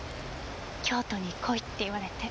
「京都に来い」って言われて。